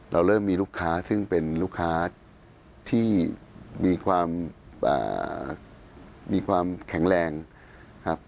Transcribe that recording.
เราเริ่มมีลูกค้าซึ่งเป็นลูกค้าที่มีความมีความแข็งแรงครับ